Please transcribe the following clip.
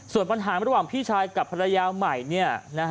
ส่วนปัญหาระหว่างพี่ชายกับภรรยาใหม่